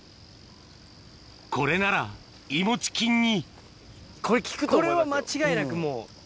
これならいもち菌にこれは間違いなくもう。